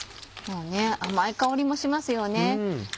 甘い香りもしますよね。